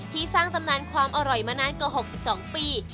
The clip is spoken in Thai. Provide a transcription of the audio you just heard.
สร้างตำนานความอร่อยมานานกว่า๖๒ปี